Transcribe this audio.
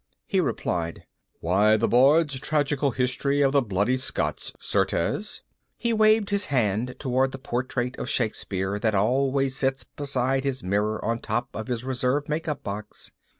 He replied, "Why, the Bard's tragical history of the bloody Scot, certes." He waved his hand toward the portrait of Shakespeare that always sits beside his mirror on top of his reserve makeup box.